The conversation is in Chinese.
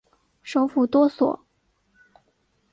首府多索。